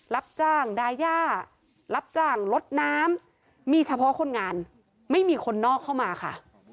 รับจ้างดายารับจ้างลดน้ำมีเฉพาะคนงานไม่มีคนนอกเข้ามาค่ะ